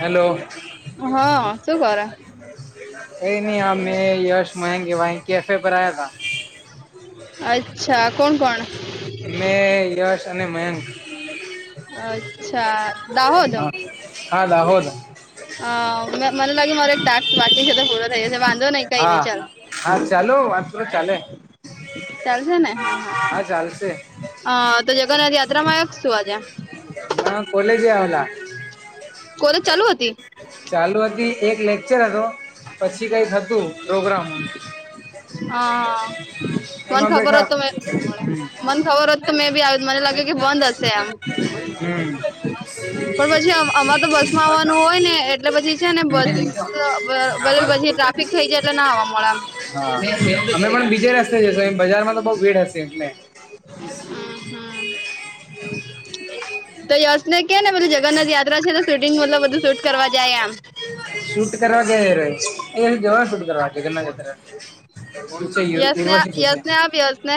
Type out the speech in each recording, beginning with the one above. Hello. હા શું કરે એ નહિ હ, મેં યશ મહેંગે કેફે પર આયા હતા. અચ્છા, કોણ કોણ? મેં યશ અને મયંક. અરછા. હા, હા. [unintelligible] અવોદા. અ મને લાગે મારો તા વાકી છે, ખોલો થહી જશે, વાંધો નઈ કઈ ની હા ચાલે. હા, ચાલો વાત કરો ચાલે. ચાલશે ને, હા, હા, આ તો જગન્નાથ યાત્રામાં આયો કે શું આજે? કોલેજ આવેલા. કોલેજ ચાલુ હતી? ચાલુ હતી, એક લેક્ચર હતો, પછી કઈક હતું પ્રોગ્રામ. અ મને એમાં ખબર બેઠા હોત મને ખબર [unintelligible] હોત તો મે બી આજ મને લાગે કે બંધ હશે એમ. [inaudible] પણ [unintelligible] પછી અમારે તો હા બસમાં આવવાનું હોય અમે ને એટલે પછી પણ છે ને બસ બીજે રસ્તે ભલે પછી ટ્રાફિક [unintelligible] થઈ જાય એટલે ના આવવા બજારમાં મળે એમ તો બોઉ ભીડ હશે એટલે. [inaudible] તો યશને કેને પેલું જગન્નાથ યાત્રા છે શૂટિંગ મતલબ બધું શૂટ કરવા જાયે આમ. શૂટ કરવા [unintelligible] [unintelligible] યુનિવર્સિટી યશને છે. યશને આપ યશને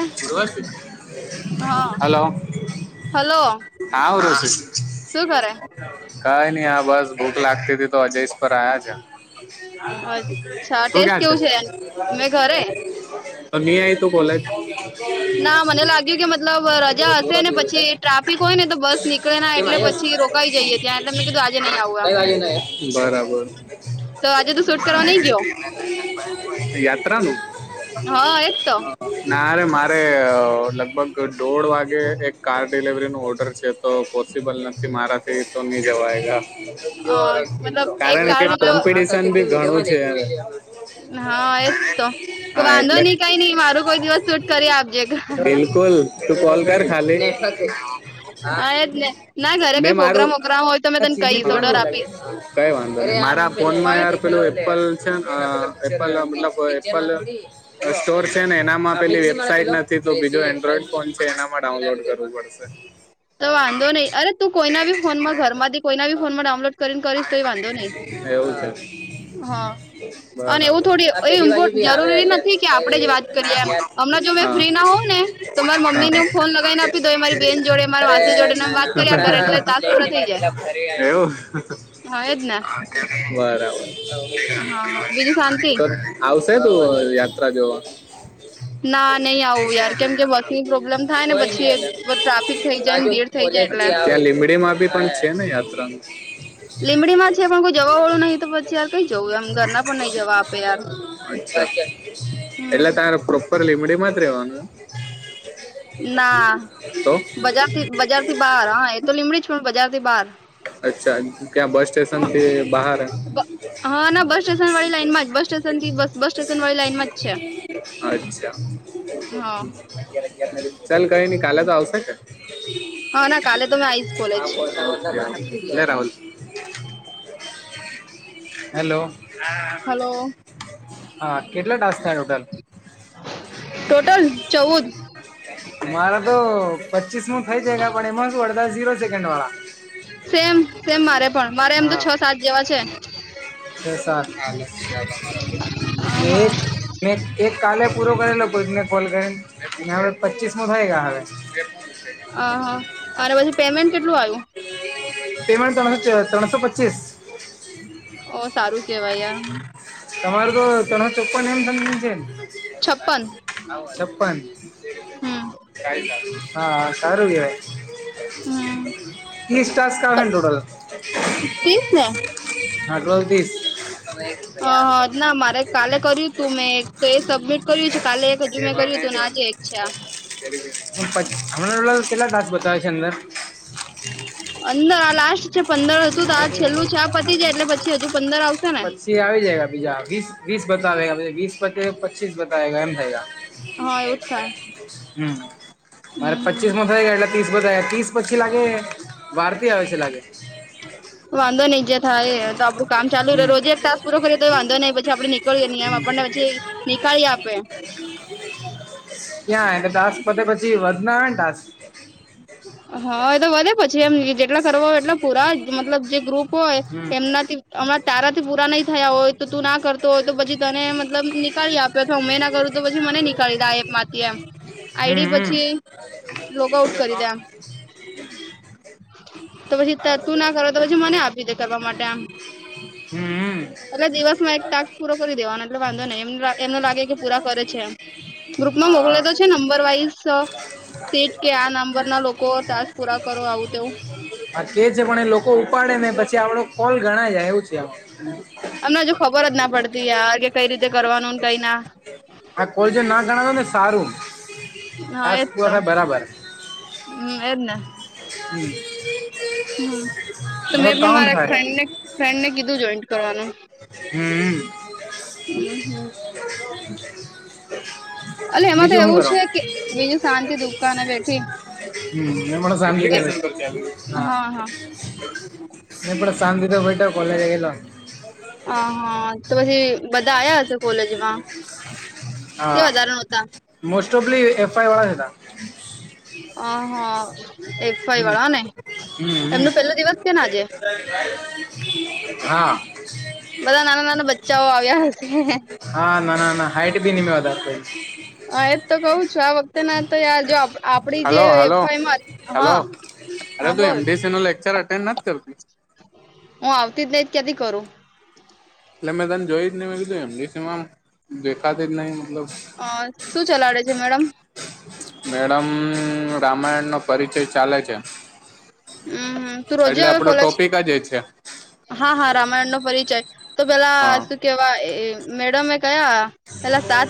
હા હાલો હલો હા [unintelligible] શું કરે? કાઈ ની આ બસ ભૂખ લાગતી હતી તો [unintelligible] પર આયા છે. અચ્છા તું ટેસ્ટ ક્યા છે? કેવું મેં ઘરે [unintelligible] તો કોલેજ. ના મને લાગ્યું કે મતલબ ઓ રજા હશે જોવા ને રહ્યો પછી છે ટ્રાફિક હોય ને તો બસ નીકળે ના કેમ એટલે આયસ પછી કઈ રોકાઈ જઈએ ત્યાં એટલે મે કીધું આજે નઈ આવું એમ. તો આજે તો શૂટ કરવા નઈ ગયો [inaudible] યાત્રા નું. હા એજ તો નારે મારે અ લગભગ દોઢ વાગે એક કાર ડિલિવરીનું ઓર્ડર છે તો પો [unintelligible] નથી મારાથી તો ની જવાય અ મતલબ [unintelligible] એક કારણકે કાર્ડ [unintelligible] [unintelligible] ઘણું છે. [unintelligible] હા એજ તો. હા વાંધો એટલે નઈ કાઈ નઈ મારું કોઈ દિવસ સૂટ કરી આપજે. બિલકુલ તું કોલ કર ખાલી. હા [unintelligible] એજ ને ના ઘરે મે કોઈ પ્રોગ્રામ મારું વોગ્રામ હોય તો મેં આ તને ચીનની [unintelligible] કહીશ કઈ ઓર્ડર આપીશ વાંધો નઈ મારા ફોનમાં હવે યાર પેલું એપ્પલ છે અ એપલ મતલબ એપ્પલ સ્ટોર છે ને એનામાં [unintelligible] વેબસાઈટ નથી તો બીજું એન્ડ્રોઈડ ફોન છે એનામાં ડાઉનલોડ કરવું પડશે. તો વાંધો નઈ અરે તું કોઈના બી ફોનમાં ઘરમાંથી કોઈના બી ફોનમાં ડાઉનલોડ કરીને કરીશ તો એ વાંધો નઈ. હા એવું છે. હા. અને એવું બરાબર થોડી હા પેલી બાજુ ભી [unintelligible] આવે જરૂરી એટલે નથી કે આપણેે જ કઈ વાત કરીએ નામ એમ. યાદ હમણાં જો મે હા ફ્રી ના હોઉં ને તો મારા મમ્મીને હું હા ફોન લગાવીને આપી દઉં એ મારી બેન જોડે મારી માસી જોડે ને એમ વાત કર્યા કરે એટલે ટાસ્ક પૂરા થઈ જાય [unintelligible] હા એજ ને બરાબર. હા બીજું શાંતિ? તો આવશે તું [unintelligible] યાત્રા જોવા. ના નઈ આવું યાર કેમ કે [unintelligible] પ્રોબ્લેમ થાય ને કોઈ નઈ પછી અલા ટ્રાફિક થઈ જાય ને રાજુ ભીડ થઈ જાય એટલે ત્યાં લીમડી માંબી પણ છે ને યાત્રા નું. લીંબડીમાં છે પણ કોઈ જવા વાળું નહીં તો પછી યાર કઈ જવું એમ ઘરના પણ નહીં જવા આપે યાર. [unintelligible] હમ એટલે તારે પ્રોપર લીમડીમાં જ રેવાનું? તો. [unintelligible] બજારથી બાર હા એ તો લીમડી જ બજારથી બાર. અચ્છા ક્યાં બસ સ્ટે [unintelligible] બહાર. હા ના બસ સ્ટેશન વાળી લાઈન માંજ બસ સ્ટેશનથી બસ સ્ટેશન વાળી લાઈનમાં જ છે. અચ્છા. હા ચાલ કંઈ નઈ કાલે તો આવશે ને. હા ના કાલે તો મે આઈશ કોલેજ. [unintelligible] હેલો. હલો હા કેટલા ટાસ્ક આયો તારે? [inaudible] ટોટલ ચૌદ મારા તો પચીસ નું થઇ જાય પણ એમાં શુ અડધા જીરો- -સેકન્ડ વાળા સેમ સેમ મારે પણ મારે એમ તો છ સાત જેવા છે. [inaudible] મેં એક કાલે પૂરો કરેલો કોઈકને કોલ કરીને હવે પચીસ મોં થઈ ગયા હવે. આ હા અને પછી પેમેન્ટ કેટલું આયુ? પેમેંટ ત્રણસો પચીસ. ઓ સારું કેવાય યાર. તમારે તો સાડા ચોપ્પને એમ સમથિંગ છે. છપ્પન [unintelligible] છપ્પન. હમ [unintelligible] હા સારું કેવાય. હમ ત્રીસ ટાસ્ક આવેને ટોટલ? તીસ ને હ આગળ તીસ હ ના મારે કાલે કર્યું તું મેં એક તો એ સબમિટ [unintelligible] અચ્છા [unintelligible] હમણાં કેટલા ટાસ્ક બતાવે છે અંદર? અંદર આ લાસ્ટ જે પંદર હતું તો આ છેલ્લું છે આ પતી જાય એટલે પછી હજુ પંદર આવશે ને? ઈ આવી જાય હે બીજા વીસ વીસ બતાવે છે વિસ પતે પચીસ બતાવે એમ થાય હા એવું જ થાય હમ મારે હમ હમ પચીસમાં થઈ ગયો એટલે ત્રીસ પતાયા ત્રીસ પછી લાગે વારતી આવે છે લાગે [inaudible] વાંધો નઈ જે થાય એ એ તો આપડું કામ ચાલુ રહે રોજે એક ટાસ્ક પૂરો કરીએ તો એ વાંધો નહી પછી આપડે નીકળએ નહી એમ આપણને પછી- -નીકાળી આપે. ક્યાં એટલે ટાસ્ક પતે પછી વધના આવે ને ટાસ્ક? હા એ તો વધે. પછી એમ જેટલા કરવા હોય એટલા પૂરા મતલબ જે ગ્રુપ હોય હમ તેમનાથી- -હમણાં તારાથી પૂરા નહી થયા હોય તો તું ના કરતો હોય તો પછી તને મતલબ નીકાળી આપે. પછી હુંમે ના કરું તો પછી મને નીકળી દે આ એપ માંથી એમ હમ આઈડી હમ પછી- -લોગ આઉટ કરી દે એમ. તો પછી તું ના કરે તો પછી મને આપી દે કરવા માટે એમ. હમ એટલે દિવસમાં એક ટાસ્ક પૂરો કરી દેવાનો એટલે વાંધો નહી એમ એમને લાગે કે પૂરા કરે છે એમ. ગ્રુપમાં હા મોકલે તો છે નંબર વાઇસ સેટ કે આ- [unintelligible] -નંબરના લોકો ટાસ્ક પૂરા કરો આવું તેવું. હા કે છે પણ એ લોકો ઉપાડે નહી પછી આપડો કોલ ગણાય જાય એવું છે એમ. અમને હજુ ખબર જ ના પડતી યાર કે કઈ રીતે કરવાનું કઈ ના. આ કોલ જે ના ગણાવે ને સારું. હા એ ટાસ્ક જ પૂરા તો થાય બરાબર હમ એજ ને. [unintelligible] હ, તો મારો મેં પણ કાઉન્ટ મારા થાય ફ્રેન્ડને ફ્રેન્ડને કીધું, જોઈન્ટ કરવાનું. [unintelligible] [unintelligible] [unintelligible] એલે એમાં તો બીજું શું એવું કરો છે કે, બીજું શાંતિ દુકાને બેઠી. હમ, એ ફમિલી એમ ક હા. ન પણ શાંતિ તો બેઠો, કોલેજ ગયલો. હ, હા, તો પછી બધા આવ્યા હશે, કોલેજમાં. કે હા વધારણોતા. મોસ્ટ ઓફલી, એફવાય વાળા જ હતા. અહા એફઈ વાળા ને, હમ હમ એમનું પેલો નેદિવસ છે ને આજે. હા. [unintelligible] બધા નાના-નાના બચ્ચાઓ આવ્યા હશે. હા, ના ના, ના હાઈટ ભી નિમે વધાર. હા એજ તો કઉ છું આ વખતે ના તો યાર જો આપડી જે હાલો, હાલો, એફઆઈમાં હા હાલો. અરે હા તું બોલ એમડીસી નો લેક્ચર અટેન્ડ નથી કરતી. હું આવતી જ નહી જ ક્યાથી કરું. એટલે મેં તને જોઈ જ નહી, મે કીધું એમડી સમાં દેખાતી જ નહી મતલબ. અ શું ચલાવડે છે મેડમ? મેડમ રામાયણ નો પરિચય ચાલે છે. હમ તું રોજે એટલે આવે આપડો કોલેજ ટોપિક જ છે. હા, હા, રામાયણનો પરિચય તો પેલા હા શું કેવા? મેડમે એ કયા પેલા સાત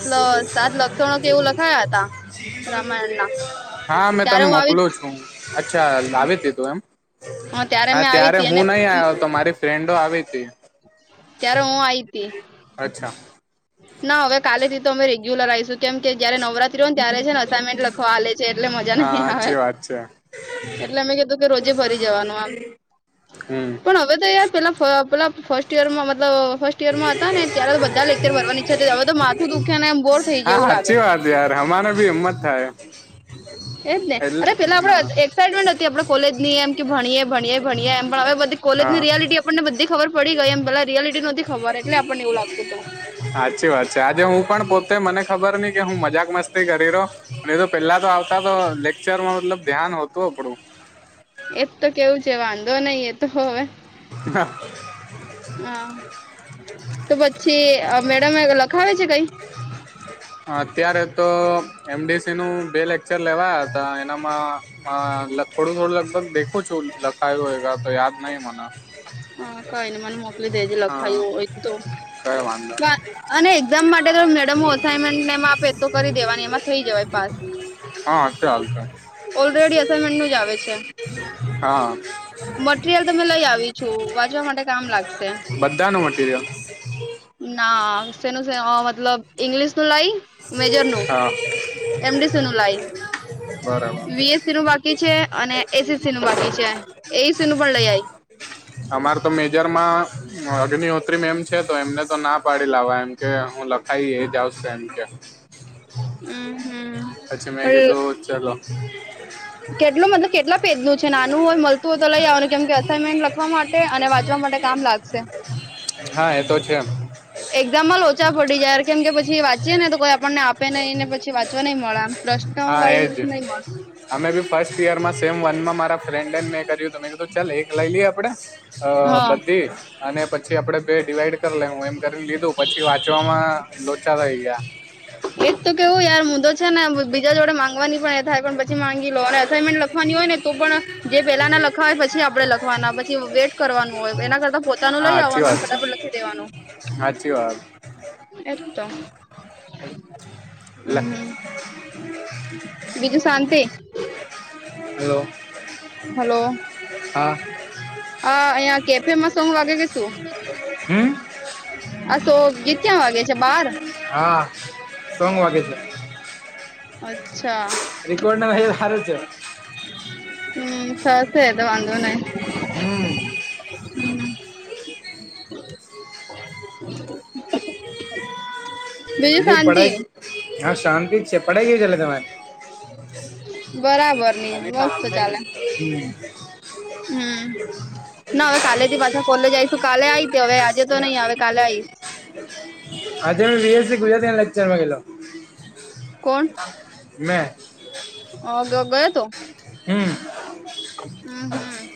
સાત લક્ષણો કે એવું લખાયા હતા રામાયણ ના હા, મેં ત્યારે તને હું આવી મોકલો છું, અચ્છા લાવે તું એમ. હ હા, મેં આવી ત્યારે હતી હું અને નહી આવ્યો હતો, મારી ફ્રેન્ડો આવી હતી. ત્યારે હું આઈ હતી. અચ્છા ના, હવે કાલેથી તો અમે રેગ્યુલર આવીશું, કેમ કે જયારે નવરાત્રી મ ત્યારે છે ને, અસાાઈનમેન્ટ લખવા આવેલે છે, એટલે મજા હા નહીં આવે. સાચી વાત છે એટલે અમે કીધું કે, રોજે ફરી જવાનું, આમ હમ પણ હવે તો યાર પેલા ફર્સ્ટ ઈયર માં મતલબ ફર્સ્ટ યરમાં હતા ને, ત્યારે તો બધા લેક્ચર ની ઈચ્છા હતી, હવે તો માથું દુખ નેમ, બોર થઈ હા ગયવું લાગે. સાચી વાત યાર, અમારે ભી એમ જ થાય. [unintelligible] એજ ને, એટલે અરે પેલા આપણે હા એક્સાઇટમેન્ટ હતી, આપણે કોલેજની એમ કે, ભણીએે ભણીએ ભણીએ, એમ પણ હવે બધી કોલેજ ની હા રિયાલિટી આપણને બધી ખબર પડી ગઈ એમ પેલા રિયાલિટી ની નથી ખબર એટલેને, એવું ગત હતું. સાચી વાત છે, આજે હું પણ પોતે મને ખબર નઈ કે, હું મજાક મસ્તી કરી રહી, અને તો તો આવતા તો, લેક્ચરમાં ધ્યાન હોતું આપણું. એ જ તો કેવું છે, વાંધો નહી, એ તો હવે હા. હા, તો પછી મેડમે લખાવે છે, કઈ અત્યારે તો એમડીસી નું બે લેક્ચર લેવાયા હતા એનામાં. હા, થોડું-થોડું લગભગ દેખો છો, લખાય હોય તો, યાદ નહી મને. હા કઈ ને મને મોકલી દેજે હા, લખાયું હોય તો કઈ વાંધો. અને એક્ઝામ માટે તો મેડમ અસાઇનમેન્ટને એમ આપે તો કરી દેવાની, એમાં થઇ જવાય પાસ. હા ચાલશે. ઓલરેડી અસાઇનમેન્ટ ન જ આવે છે. હા. મટરિયલ તમે લઈ આવી છું વાજવા માટે કામ લાગશે. બધાનું મટરિયલ. ના સનું મતલબ. ઇંગ્લિશ નું લાઈ મેજર નું હા એમડીસી નું લાઈ બરાબર. વિીએસસી નું બાકી એસએસસી નું બાકી છે એઈસી નું પણ લઈ આઈ. અમાર તો મેજરમાં અગ્નિહોત્રીમ એમ છે તો એમને તો ના પાડી લાવવા એમ. કે હું લખાઈ એજ આવશે એમ કે. હમ્મ હમ્મ. અચ્છા મેં કીધું ચલો. કેટલો મતલબ કેટલો. પેજનું છે નાનું હોય મલતું હોય તો લઈ આવાનું કેમ કે અસાઇનમેન્ટ લખવા માટે અને વવાંચવા માટે કામ લાગશે. હા એ તો છે એમ. એક્ઝામ લોચા પડી જાય કેમ કે પછી વાંચીએ ને તો કોઈ આપણને આપે નહીં ને પછી વાંચવા નહીં મળે એમ. હા એજ છે. અમે બી ફર્સ્ટ યરમાં સેમ વન માં મારા ફ્રેન્ડે ને મેં કર્યું હતું મે કધું ચાલ એક લઈ લઈએ આપડે અ હા બધી અને પછી આપડે બે ડિવાઈડ કરી લેહું એમ કરીને લીધું પછી વાંચવામાં લોચા થઈ ગયા. એજ તો કેવું યાર હું તો છે ને બીજા જોડે માંગવાની પણ એ થાય પણ પછી માંગી લો અને અસાઇમેન્ટ લ ખવાની હોય ને તો પણ જે પેલાના લખાવે પછી આપણેે લખવાના પછી વેટ કરવાનું હોય એના કરતા પો તાનું લઈ આવવાનું અને ફટાફટ લખી દેવાનું. હાચી વાત. એજ તો લે હમ્મ હમ્મ. બીજું શાંતિ. હલો હા. અ અહીંયા કેફેમાં સોંગ વાગે કે શું. હમ્મ. આ સો-ગીત ક્યાં વાગે છે બાર હા સોંગ વાગે છે. અચ્છા. રેકોર્ડ ના થાય તો હારું છે. હમ્મ થશે તો વાંધો નહી. હમ્મ. હમ્મ. [inaudible] બીજું પઢાઈ હા શાંતિ જ છે પઢાઈ કેવી ચાલે તમારે. બરાબર. ની મસ્ત તમે [inaudible] હમ્મ હમ્મ ના હવે કાલે થી પાછા કોલેજ આ આવીશું કાલે આઈ હતી હવે આજે તો નહી આવે કાલે આઈશ. આજે મે બીએસસી ગુજરાતીના લેક્ચરમાં ગયેલો. કોણ મેં ગયો તો. [unintelligible] હમ્મ. હમ્મ, હમ્મ.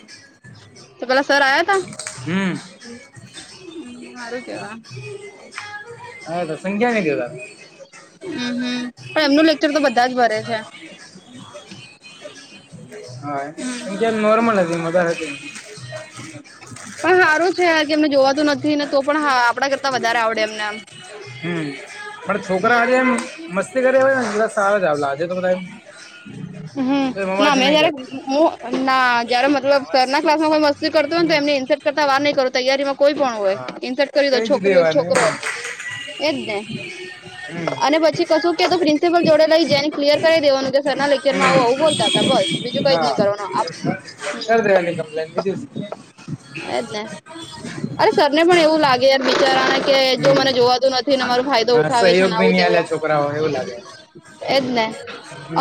તો પેલા સર આયાતા, હમ હારું કેવા. [unintelligible] આયા સંખ્યા નહી જોતા. હમ્મ, હમ્મ, પણ એમનું લેક્ચર તો બધા જ ભરે છે. હા, હમ એમ નોર્મલ [unintelligible] [unintelligible] પણ હારું છે, યાર કે એમને જોવાતું નથી ને, તો પણ આપડા કરતા વધારે આવડે, એમને એમ. હમ્મ, પણ છોકરા હારે, એમ મસ્તી કર્યા હોયને પ્લસ. સારો એમાં હમ ના અવાજ મેં નહી જયારે કરે. હું ના જાર મતલબ સરના ક્લાસમાં કોઈ મસ્તી કરતો હોયને, તો હમ એમ ઈન્સર્ટ કરતા વાર નહીં કરો, તૈયારીમાં કોઈ પણ હોય હા ઇર્ટ કરી દે, કઈ જ છોકરીઓ દેવાનું એમ છોકરો. એજ ને [unintelligible] અને હમ પછી કશું કે, તો પ્રિન્સિપલ જોડે લઈ, જેને કરી દેવાનું કે, સર ના લેક્ચરમાં આવો, આવું બોલતા હતા, બસ બીજું કઈ જ નહી કરવાનું. ગમ લેની હતી. એજ ને, સરને પણ લાગે, યાર બિચારાના કે, જો મને હમ જોવાતું નથી. થી ને મારો ફાયદો હા ઉઠાવે છે સહયોગ ને, બી આવું નહીં તેવો આલ્યા છોકરાઓ એવું લાગે એજ ને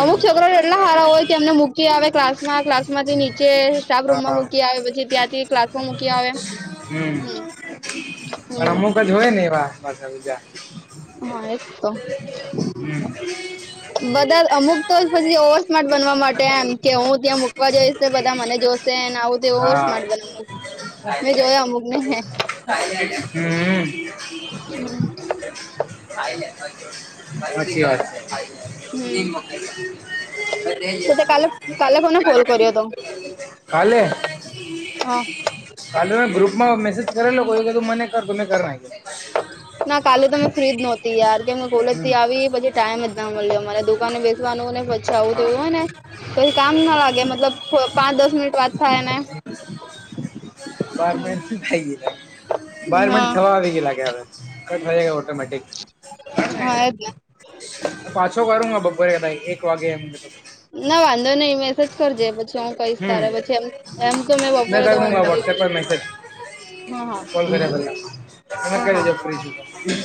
અમુક છોકરો એટલા સારા હોય કે, એમને મૂકી આવે, ક્લાસમાં ક્લાસ માંથી નીચે સ્ટાફ રૂમમાં હા મૂકી આવે, પછી ત્યાંથી ક્લાસ માં મૂકી આવે, હમ. પણ હમ અમુક ને, એવા મા બીજા હા, એક તો. હમ બધા અમુક તો પછી ઓવર સ્માર્ટ બનવા માટે, એમ કે હું ત્યાંક વા જઈશ ને, બધા મને જોશેને આવું ઓવર હા સ્માર્ટ બનાવવું. હમ. [unintelligible] તો સાચી હમ વાત છે. તો તે કોને કોલ કર્યો કાલે હતો [unintelligible] હા કાલે મે ગ્રુપમાં મેસેજ કરેલો કે, તું મને તમે નાખી. હ. ના કાલે તમે ફ્રીજ નહોતી, યાર કે અમે કોલેજ હમ થી આવી, પછી ટાઈમ જ ના મળ્યો, અમારે દુકને બે નુંને પચાવું હા તેવું હોય ને, પછી કામ ના લાગે, મતલબ પાંચ-દસ મિનિટ વાત થાય ને. બારમે થાઈ ગ લાગ. [unintelligible] બાર મિનિટ હા થવા આવી ગયા લાગે, હવે ગ ઓટોમેટિક હા એજ ને પાછો કરુંંગા બપર તાઈ એક વાગેે તો [unintelligible] ના વાંધો નહી, મેસેજ કરજે, પછી હું કઈશ હમ તારે પછી એમ એમ. તો મેં બપોરે કર તો દુંગા ઊંઘતી વોટ્સએપ હોય પર મેસેજ હા હા કો કર્યા, અને હા કઈ હા રતે પરી